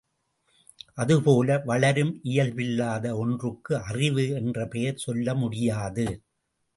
அதுபோல வளரும் இயல்பில்லாத ஒன்றுக்கு அறிவு என்று பெயர் சொல்ல முடியாது.